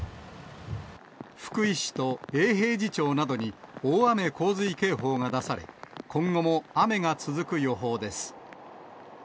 福井市と永平寺町などに大雨洪水警報が出され、今後も雨が続く予報です。